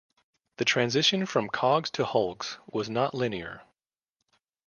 The transition from cogs to hulks was not linear.